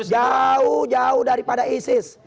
jauh jauh daripada isis